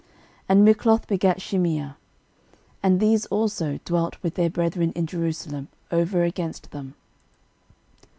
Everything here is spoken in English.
13:008:032 And Mikloth begat Shimeah. And these also dwelt with their brethren in Jerusalem, over against them.